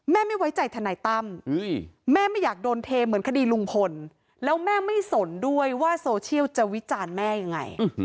ไม่ไว้ใจทนายตั้มแม่ไม่อยากโดนเทเหมือนคดีลุงพลแล้วแม่ไม่สนด้วยว่าโซเชียลจะวิจารณ์แม่ยังไง